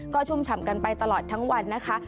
ก็ชุ่มฉ่ำกันไปตลอดทั้งวันนะคะ